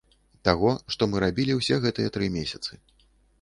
Таго, што мы рабілі ўсе гэтыя тры месяцы.